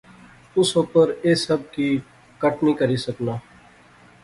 اس اپر ایہہ سب کی کٹ نی کری سکنا